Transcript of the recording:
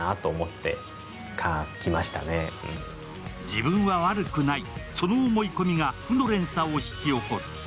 自分は悪くない、その思い込みが負の連鎖を引き起こす。